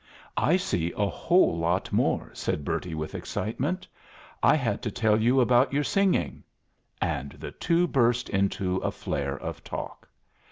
"I see a whole lot more," said Bertie, with excitement. "I had to tell you about your singing." And the two burst into a flare of talk.